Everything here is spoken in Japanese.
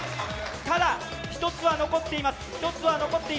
ただ１つは残っています。